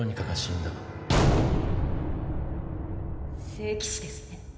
・聖騎士ですね。